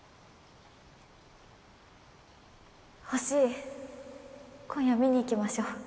星今夜見にいきましょう